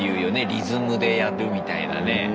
リズムでやるみたいなね。